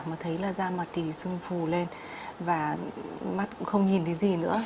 mà thấy là da mặt thì sưng phù lên và mắt cũng không nhìn thấy gì nữa